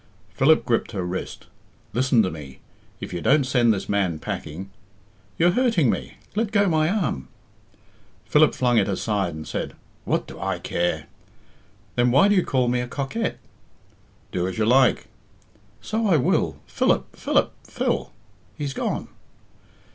Philip gripped her wrist. "Listen to me. If you don't send this man packing " "You are hurting me. Let go my arm." Philip flung it aside and said, "What do I care?" "Then why do you call me a coquette?" "Do as you like." "So I will. Philip! Philip! Phil! He's gone."